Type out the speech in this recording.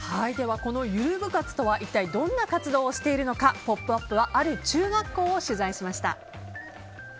このゆる部活とは一体どんな活動をしているのか「ポップＵＰ！」はある中学校を取材しました。